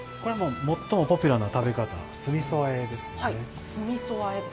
最もポピュラーな食べ方、酢味噌和えですね。